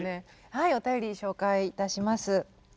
はいお便り紹介いたします。